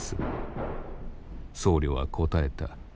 僧侶は答えた。